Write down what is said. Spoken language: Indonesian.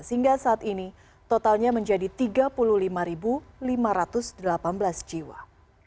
sehingga saat ini totalnya menjadi tiga puluh lima lima ratus delapan belas jiwa